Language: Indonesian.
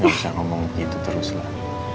gak usah ngomong gitu terus lah